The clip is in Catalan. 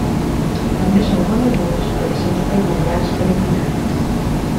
També són coneguts pels seus peculiars pentinats.